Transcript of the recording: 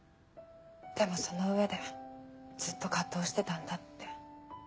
でもその上でずっと藤してたんだって。